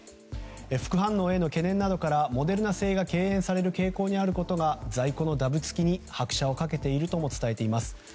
副反応への懸念などからモデルナ製が敬遠される傾向にあることが在庫のだぶつきに拍車をかけているとも伝えています。